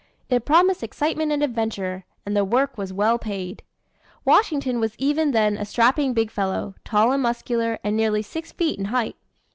It promised excitement and adventure and the work was well paid. Washington was even then a strapping big fellow, tall and muscular, and nearly six feet in height.